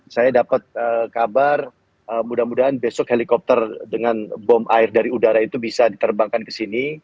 saya dapat kabar mudah mudahan besok helikopter dengan bom air dari udara itu bisa diterbangkan ke sini